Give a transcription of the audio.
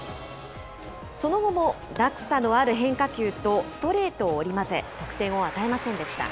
その後も落差のある変化球とストレートを織り交ぜ、得点を与えませんでした。